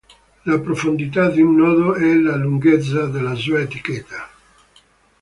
La profondità di un nodo è la lunghezza della sua etichetta.